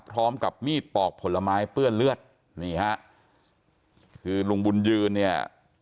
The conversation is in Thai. พร้อมกับมีดปอกผลไม้เปื้อนเลือดนี่ฮะคือลุงบุญยืนเนี่ย